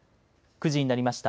９時になりました。